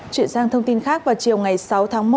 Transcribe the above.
chuyển sang thông tin khác vào chiều ngày sáu tháng một